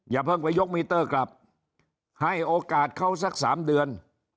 อย่าเพิ่งไปยกมิเตอร์กลับให้โอกาสเขาสัก๓เดือน